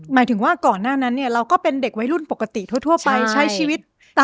หมายถึงว่าก่อนหน้านั้นเนี่ยเราก็เป็นเด็กวัยรุ่นปกติทั่วไปใช้ชีวิต